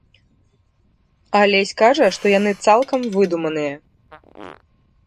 Алесь кажа, што яны цалкам выдуманыя.